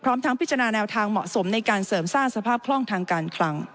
พร้อมทั้งพิจารณาแนวทางเหมาะสมในการเสริมสร้างสภาพคล่องทางการคลัง